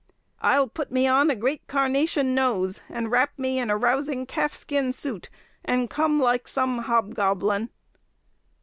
"I'll put me on my great carnation nose, and wrap me in a rousing calf skin suit, and come like some hobgoblin."